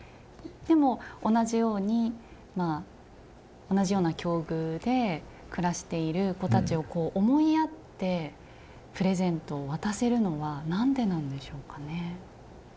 同じように同じような境遇で暮らしている子たちをこう思いやってプレゼントを渡せるのは何でなんでしょうかね？